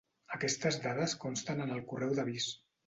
Aquestes dades consten en el correu d'avís.